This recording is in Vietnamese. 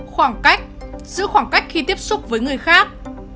khoảng cách giữ khoảng cách khi tiếp xúc với người khác